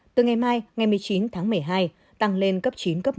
từ ngày mai ngày một mươi chín tháng một mươi hai tăng lên cấp chín một mươi